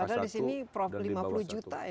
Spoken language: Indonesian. padahal disini lima puluh juta ini